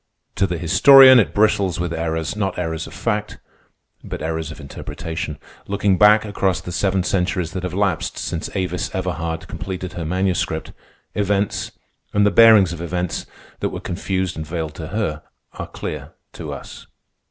To the historian it bristles with errors—not errors of fact, but errors of interpretation. Looking back across the seven centuries that have lapsed since Avis Everhard completed her manuscript, events, and the bearings of events, that were confused and veiled to her, are clear to us.